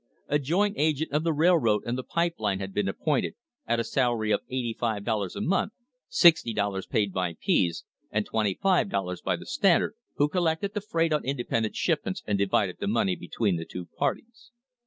A joint agent of the rail road and the pipe line had been appointed, at a salary of eighty five dollars a month, sixty dollars paid by Pease and twenty five dollars by the Standard, who collected the freight on independent shipments and divided the money between the two parties.